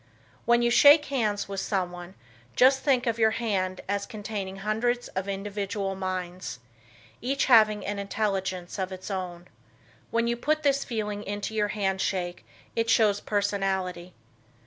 When you shake hands with some one just think of your hand as containing hundreds of individual minds, each having an intelligence of its own. When you put this feeling into your hand shake it shows personality.